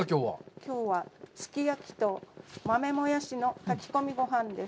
きょうは、すき焼きと豆もやしの炊き込みごはんです。